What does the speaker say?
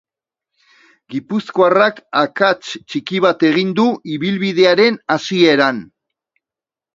Gipuzkoarrak akats txiki bat egin du ibilbidearen hasieran.